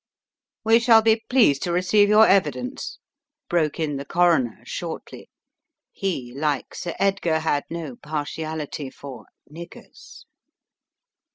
"We shall be pleased to receive your evidence," broke in the Coroner, shortly; he, like Sir Edgar, had no partiality for "niggers."